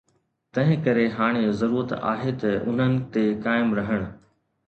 تنهن ڪري هاڻي ضرورت آهي ته انهن تي قائم رهڻ.